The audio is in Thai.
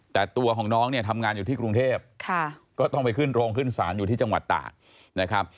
แต่ตัวของน้องเนี่ยทำงานอยู่ที่กรุงเทพก็ต้องไปขึ้นโรงขึ้นศาลอยู่ที่จังหวัดตากนะครับ